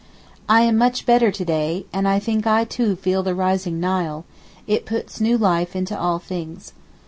I am much better to day, and I think I too feel the rising Nile; it puts new life into all things.